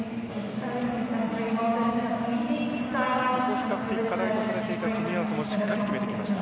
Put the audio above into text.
比較的課題とされていた組み合わせもしっかり決めてきました。